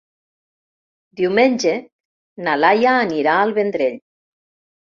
Diumenge na Laia anirà al Vendrell.